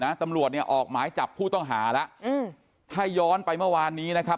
ตำรวจเนี่ยออกหมายจับผู้ต้องหาแล้วอืมถ้าย้อนไปเมื่อวานนี้นะครับ